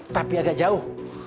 tapi agak jauh